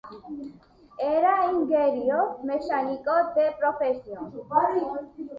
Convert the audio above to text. Era ingeniero mecánico de profesión.